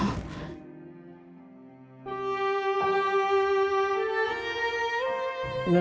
ครอบคริว